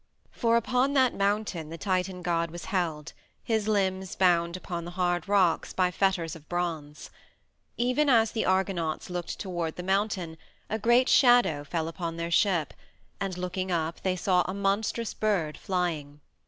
For upon that mountain the Titan god was held, his limbs bound upon the hard rocks by fetters of bronze. Even as the Argonauts looked toward the mountain a great shadow fell upon their ship, and looking up they saw a monstrous bird flying.